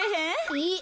えっ？